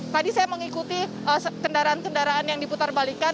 tadi saya mengikuti kendaraan kendaraan yang diputar balikan